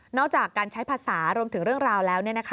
จากการใช้ภาษารวมถึงเรื่องราวแล้ว